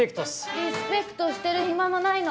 リスペクトしてる暇もないの。